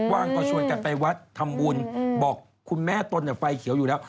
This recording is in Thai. ว่าออกโชวนเป็นการไปวัดทำวุลบอกคุณแม่ต้นน่ะไฟเขียวอยู่แล้ว